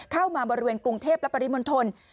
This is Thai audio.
เข้ามาบริเวณกรุงเทพและปริมณฑล